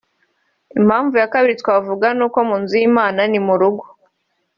Impamvu ya kabiri twavuga ni uko mu nzu y’Imana ni mu rugo